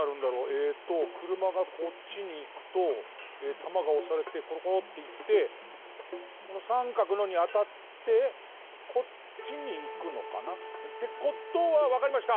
えっとくるまがこっちにいくとたまがおされてコロコロっていってこのさんかくのにあたってこっちにいくのかな？ってことはわかりました！